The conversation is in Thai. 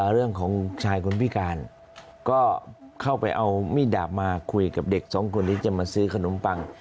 เรื่องของชายคนพิการก็เข้าไปเอามีดดาบมาคุยกับเด็กสองคนที่จะมาซื้อขนมปัง